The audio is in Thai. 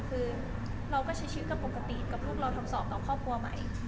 คือเราก็ใช้ชีวิตกับปกติกับลูกเราทำสอบต่อครอบครัวใหม่